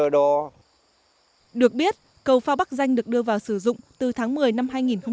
được biết cầu phao bắc danh được đưa vào sử dụng từ tháng một mươi năm hai nghìn một mươi